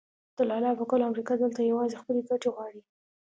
د لالا په قول امریکا دلته یوازې خپلې ګټې غواړي.